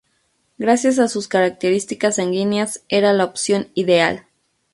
Gracias a sus características sanguíneas, era la opción ideal.